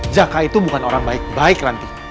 zaka itu bukan orang baik baik ranti